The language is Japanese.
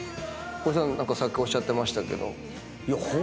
光一さん何かさっきおっしゃってましたけど。